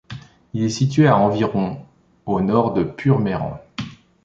Il est situé à environ au nord de Purmerend.